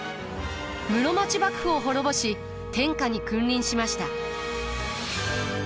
室町幕府を滅ぼし天下に君臨しました。